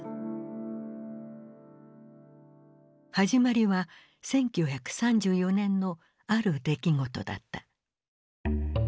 始まりは１９３４年のある出来事だった。